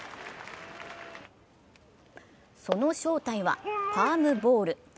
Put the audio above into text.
その正体はパームボール。